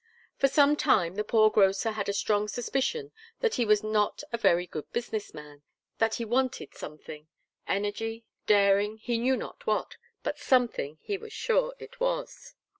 For some time, the poor grocer had had a strong suspicion that he was not a very good business man; that he wanted something; energy, daring, he knew not what, but something he was sure it was.